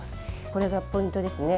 これがポイントですね。